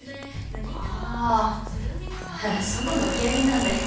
ああ祖母の受け売りなんで。